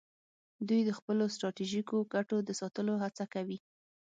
دوی د خپلو ستراتیژیکو ګټو د ساتلو هڅه کوي